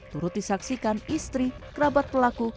turut disaksikan istri kerabat pelaku